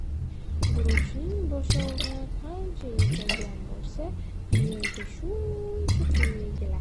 • Guruchning boshog‘i qancha yetilgan bo‘lsa, yerga shuncha quyi egiladi.